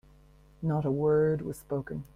Not a word was spoken.